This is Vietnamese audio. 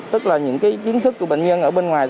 tức là những cái kiến thức của bệnh nhân ở bên ngoài